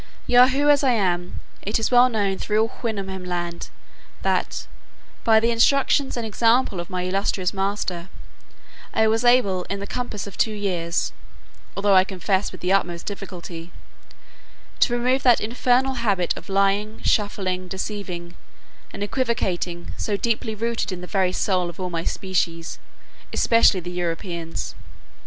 Yahoo as I am, it is well known through all Houyhnhnmland, that, by the instructions and example of my illustrious master, I was able in the compass of two years (although I confess with the utmost difficulty) to remove that infernal habit of lying, shuffling, deceiving, and equivocating, so deeply rooted in the very souls of all my species; especially the Europeans.